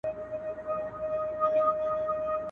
ځکه دا ستا مېرمن نه ده نه دي مور او پلار درګوري !.